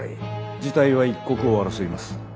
事態は一刻を争います。